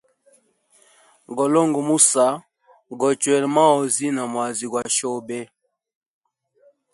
Golonga musa, gochwela maozi na mwazi gwa shobe.